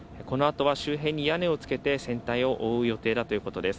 この後は周辺に屋根をつけて船体を覆う予定だということです。